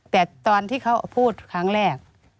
แต่ตอนที่เขาพูดครั้งแรก